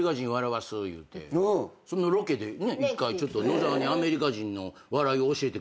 そのロケで１回ちょっと野沢にアメリカ人の笑いを教えてくれって。